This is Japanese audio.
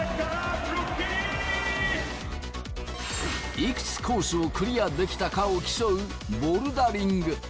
いくつコースをクリアできたかを競うボルダリング。